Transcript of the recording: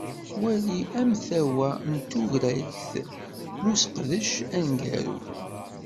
Wali amtawa n turagt n useqdac aneggaru.